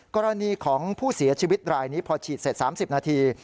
กรณีของผู้เสียชีวิตรายนี้พอฉีดเสร็จ๓๐นาที